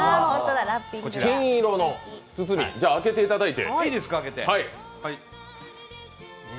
金色の包み開けていただいて。